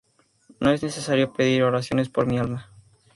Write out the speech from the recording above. No es necesario pedir oraciones por mi alma.